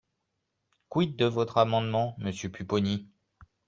Quid de votre amendement, monsieur Pupponi?